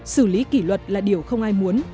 xử lý ký luật là điều không ai muốn